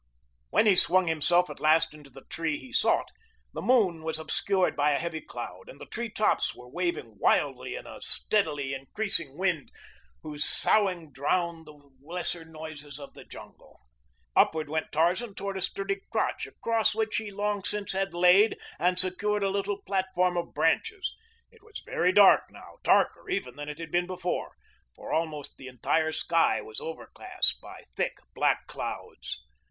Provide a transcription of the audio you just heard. When he swung himself at last into the tree he sought, the moon was obscured by a heavy cloud, and the tree tops were waving wildly in a steadily increasing wind whose soughing drowned the lesser noises of the jungle. Upward went Tarzan toward a sturdy crotch across which he long since had laid and secured a little platform of branches. It was very dark now, darker even than it had been before, for almost the entire sky was overcast by thick, black clouds.